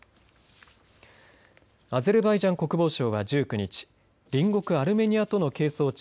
アゼルバイジャン国防省は１９日隣国アルメニアとの係争地